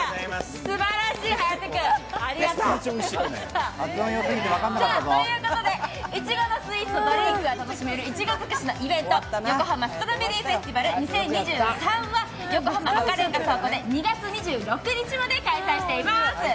すばらしい、颯君。ということでいちごのスイーツ、ドリンクが楽しめるいちごづくしのイベント、横浜ストロベリーフェスティバル２０２３は横浜赤レンガ倉庫で２月２６日まで開催していまーす。